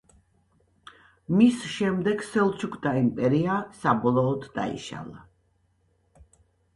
მის შემდეგ სელჩუკთა იმპერია საბოლოოდ დაიშალა.